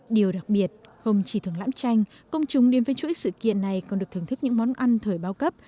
điều đặc biệt không chỉ thường lãm tranh công chúng đêm với chuỗi sự kiện này còn được thưởng thức những món ăn thời bao cấp